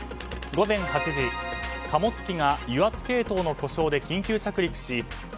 午前８時、貨物機が油圧系統の故障で緊急着陸し３５